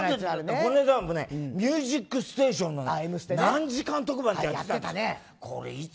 この間も「ミュージックステーション」何時間特番ってやつ。